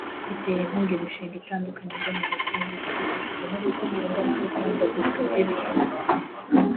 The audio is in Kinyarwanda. itera inkunga imishinga itandukanye igamije kurengera ibidukikije no gukumira ingaruka z’ihindagurika ry’ibihe